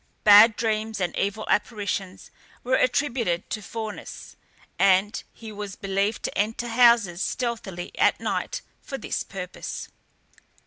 Bad dreams and evil apparitions were attributed to Faunus, and he was believed to enter houses stealthily at night for this purpose.